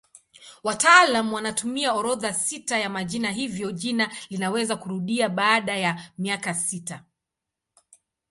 Wataalamu wanatumia orodha sita ya majina hivyo jina linaweza kurudia baada ya miaka sita.